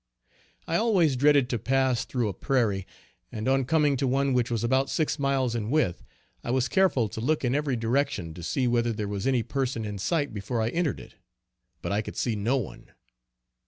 I always dreaded to pass through a prairie, and on coming to one which was about six miles in width, I was careful to look in every direction to see whether there was any person in sight before I entered it; but I could see no one.